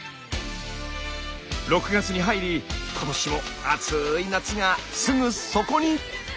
６月に入り今年も暑い夏がすぐそこに！